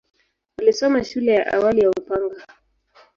Alisoma shule ya awali ya Upanga.